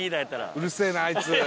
「うるせえあいつ」